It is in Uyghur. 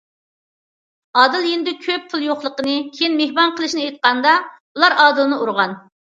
ئادىل يېنىدا كۆپ پۇل يوقلۇقىنى، كېيىن مېھمان قىلىشنى ئېيتقاندا، ئۇلار ئادىلنى ئۇرغان.